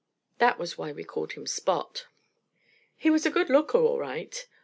That was why we called him Spot. He was a good looker all right.